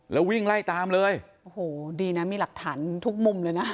แล้ววิ่งไล่ตามเลยโอ้โหดีนะมีหลักฐานทุกมุมเลยนะ